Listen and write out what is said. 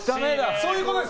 そういうことです。